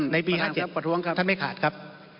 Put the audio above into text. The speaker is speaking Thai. ในปี๕๗ท่านไม่ขาดครับ